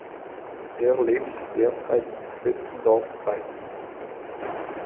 Er lebt derzeit in Vösendorf bei Wien.